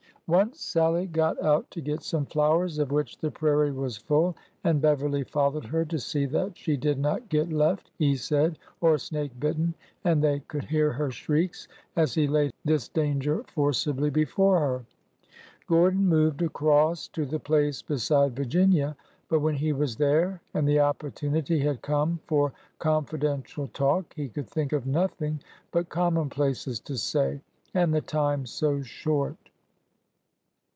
Once Sallie got out to get some flowers, of which the prairie was full, and Beverly followed her to see that she did not get left, he said, or snake bitten, and they could hear her shrieks as he laid this danger forcibly before her. Gordon moved across to the place beside Virginia. But when he was there and the opportunity had come for con fidential talk he could think of nothing but common places to say— and the time so short!